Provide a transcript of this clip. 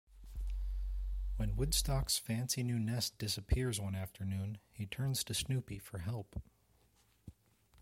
When Woodstock's fancy new nest disappears one afternoon, he turns to Snoopy for help.